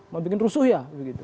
mau bikin rusuh ya